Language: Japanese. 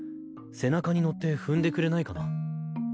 背中に乗って踏んでくれないかな？